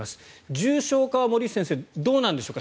重症化は森内先生どうなんでしょうか。